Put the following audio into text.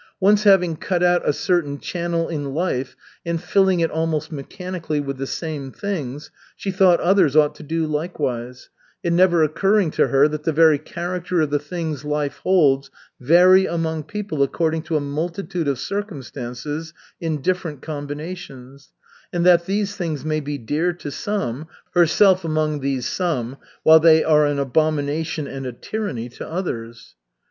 Once having cut out a certain channel in life and filling it almost mechanically with the same things, she thought others ought to do likewise, it never occurring to her that the very character of the things life holds vary among people according to a multitude of circumstances in different combinations, and that these things may be dear to some, herself among these some, while they are an abomination and a tyranny to others.